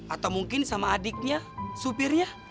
atau mungkin sama adiknya supirnya